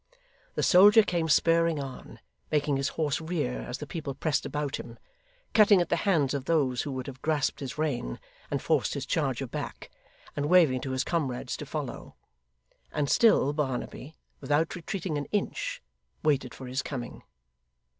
The soldier came spurring on, making his horse rear as the people pressed about him, cutting at the hands of those who would have grasped his rein and forced his charger back, and waving to his comrades to follow and still Barnaby, without retreating an inch, waited for his coming.